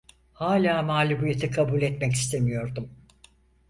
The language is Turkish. Hala mağlubiyeti kabul etmek istemiyordum.